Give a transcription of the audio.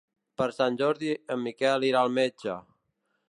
Per Sant Jordi en Miquel irà al metge.